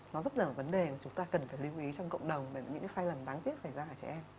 nó rất là vấn đề mà chúng ta cần phải lưu ý trong cộng đồng về những cái sai lầm đáng tiếc xảy ra ở trẻ em